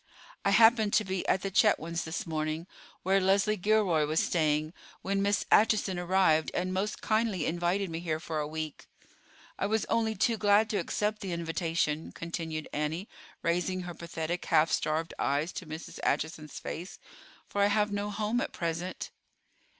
I happened to be at the Chetwynds' this morning, where Leslie Gilroy was staying, when Miss Acheson arrived, and most kindly invited me here for a week. I was only too glad to accept the invitation," continued Annie, raising her pathetic, half starved eyes to Mrs. Acheson's face, "for I have no home at present."